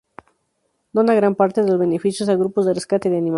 Dona gran parte de los beneficios a grupos de rescate de animales.